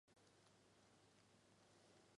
阴谋对付六大门派。